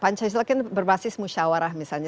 pancasila kan berbasis musyawarah misalnya